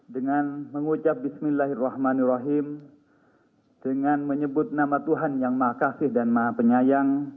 dengan mengucap bismillahirrahmanirrahim dengan menyebut nama tuhan yang maha kasih dan maha penyayang